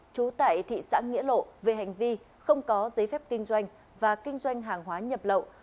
trú tại thị xã nghĩa lộ về hành vi không có giấy phép kinh doanh và kinh doanh hàng hóa nhập lậu